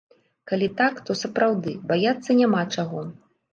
Калі так, то, сапраўды, баяцца няма чаго.